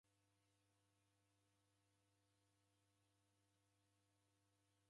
Mkape om'mbona mramko kasanu kwa indo ja mwisho.